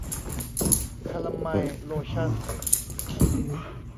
คาลาไมน์โลชั่น